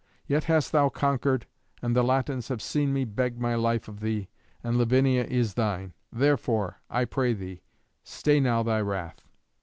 Yet hast thou conquered, and the Latins have seen me beg my life of thee, and Lavinia is thine. Therefore, I pray thee, stay now thy wrath."